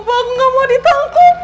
mama gak mau ditangkut